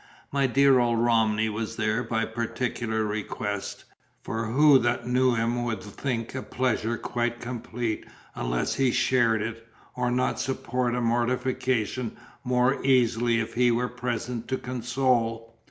My dear old Romney was there by particular request; for who that knew him would think a pleasure quite complete unless he shared it, or not support a mortification more easily if he were present to console?